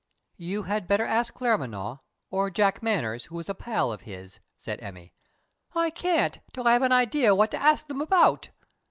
"You had better ask Claremanagh, or Jack Manners, who is a pal of his," said Emmy. "I can't, till I have an idea what to ask them about."